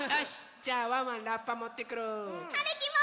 じゃあワンワンラッパもってくる！はるきも！